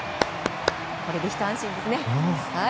これでひと安心ですね。